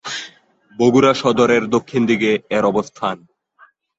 বগুড়া সদরের দক্ষিণ দিকে এর অবস্থান।